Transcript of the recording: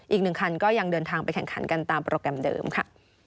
อีก๑คันก็ยังเดินทางไปแข่งขันกันตามโปรแกรมเดิมค่ะ